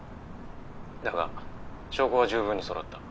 だが証拠は十分に揃った。